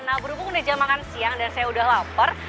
nah berhubung udah jam makan siang dan saya udah lapar